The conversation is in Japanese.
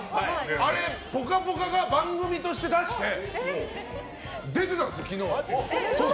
あれ「ぽかぽか」が番組として出して出ていたんです、昨日。